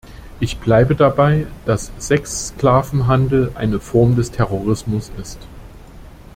Ich bleibe dabei, dass Sexsklavenhandel eine Form des Terrorismus ist.